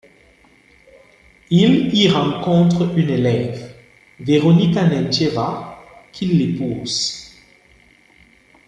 Il y rencontre une élève, Veronika Nentcheva, qu'il épouse.